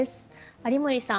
有森さん